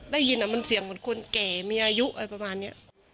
ได้ยินอะมันเสี่ยงทุกคนเก่ยมีอายุอะไรประมาณเนี้ย